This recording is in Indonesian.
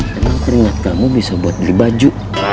memang keringat kamu bisa buat beli baju